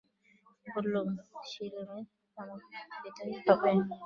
বললুম, ছিলিমে তামাক দিতেই হবে।